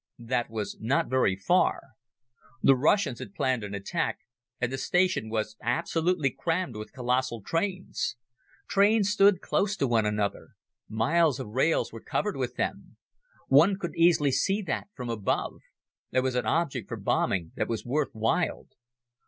That was not very far. The Russians had planned an attack and the station was absolutely crammed with colossal trains. Trains stood close to one another. Miles of rails were covered with them. One could easily see that from above. There was an object for bombing that was worth while.